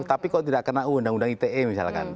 tapi kok tidak kena undang undang ite misalkan